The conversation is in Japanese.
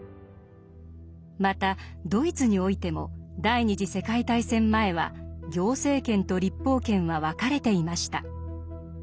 またドイツにおいても第二次世界大戦前は行政権と立法権は分かれていました。